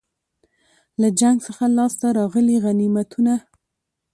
له جنګ څخه لاسته راغلي غنیمتونه.